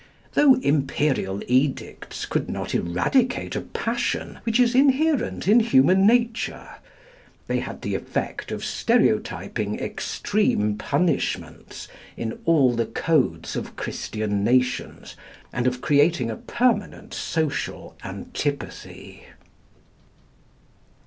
Though Imperial edicts could not eradicate a passion which is inherent in human nature, they had the effect of stereotyping extreme punishments in all the codes of Christian nations, and of creating a permanent social antipathy.